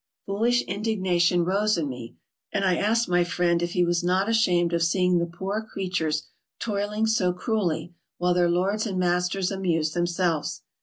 Foolish indignation rose in me. and I asked my friend if he was not ashamed of seeing the poor creatures toiling so cruelly, while their lords and masters amused themselves.